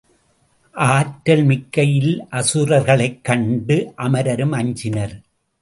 ஆற்றல் மிக்க இல் அசுரர் களைக்கண்டு அமரரும் அஞ்சினர்.